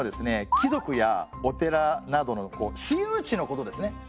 貴族やお寺などの私有地のことですね。